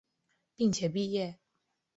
并且毕业。